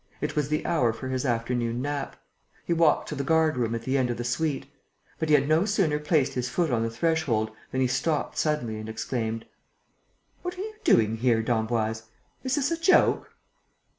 It was the hour for his afternoon nap. He walked to the guard room at the end of the suite. But he had no sooner placed his foot on the threshold than he stopped suddenly and exclaimed: "What are you doing here, d'Emboise? Is this a joke?"